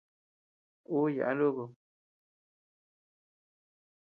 Ú yaʼa nukud.